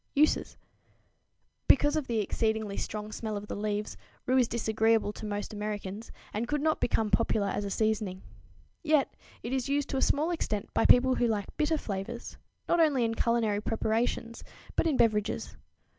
[Illustration: Rue, Sour Herb of Grace] Uses. Because of the exceedingly strong smell of the leaves, rue is disagreeable to most Americans, and could not become popular as a seasoning. Yet it is used to a small extent by people who like bitter flavors, not only in culinary preparations, but in beverages.